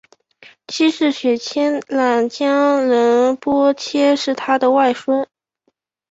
七世雪谦冉江仁波切是他的外孙。